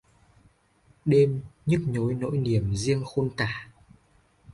Đêm...nhức nhối nỗi niềm riêng khôn tả